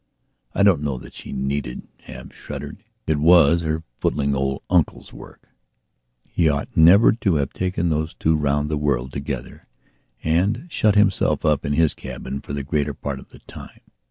I don't know that she need have shuddered. It was her footling old uncle's work; he ought never to have taken those two round the world together and shut himself up in his cabin for the greater part of the time.